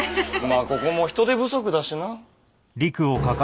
まあここも人手不足だしな。